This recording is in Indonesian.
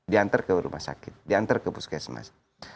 dianter ke rumah sakit dianter ke puskesmas